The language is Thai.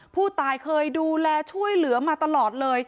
ผู้ตายเคยดูแลช่วยเหลือมาตลอดเลย